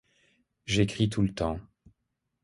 J'écris tout le temps.